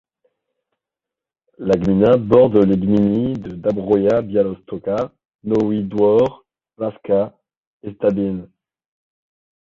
La gmina borde les gminy de Dąbrowa Białostocka, Nowy Dwór, Płaska et Sztabin.